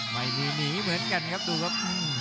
ไม่มีหนีเหมือนกันครับดูครับ